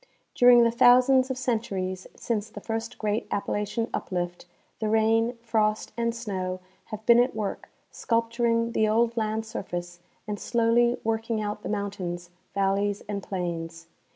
During the thousands of centuries since the first great Appa lachian uplift, the rain, frost, and snow have been at work sculpturing the old land surface and slowly working out the mountains, valleys, and plains.